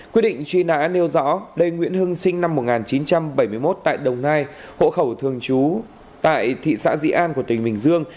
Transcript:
quyết định truy nã nêu rõ lê nguyễn hưng sinh năm một nghìn chín trăm bảy mươi một tại đồng nai hộ khẩu thường trú tại thị xã dĩ an của tỉnh bình dương